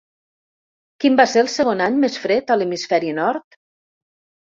Quin va ser el segon any més fred a l'hemisferi nord?